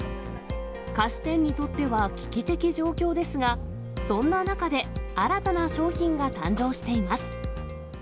菓子店にとっては危機的状況ですが、そんな中で、新たな商品が誕生しています。